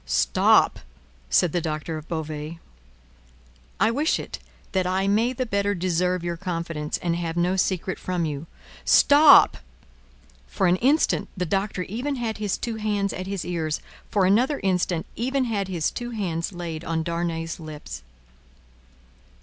"Stop!" said the Doctor of Beauvais. "I wish it, that I may the better deserve your confidence, and have no secret from you." "Stop!" For an instant, the Doctor even had his two hands at his ears; for another instant, even had his two hands laid on Darnay's lips.